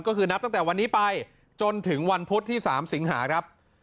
ก็คือนับตั้งแต่วันนี้ไปจนถึงวันพุธที่๓สิงหาครับ